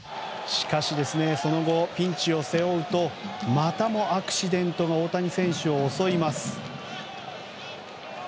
しかし、その後ピンチを背負うとまたもアクシデントが大谷選手を襲います。